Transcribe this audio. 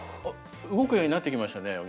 動くようになってきましたね。